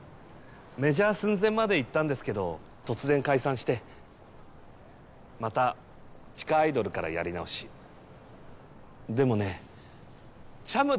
メジャー寸前までいったんですけど突然解散してまた地下アイドルからやり直しでもねちゃむ